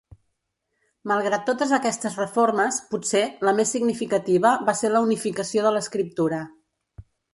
Malgrat totes aquestes reformes, potser, la més significativa va ser la unificació de l'escriptura.